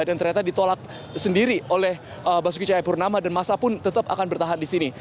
dan ternyata ditolak sendiri oleh basuki cahayapurnama dan masa pun tetap akan bertahan di sini